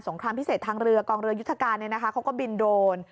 สงครามพิเศษทางเรือกองเรือยุธการในนะคะเขาก็บินโดน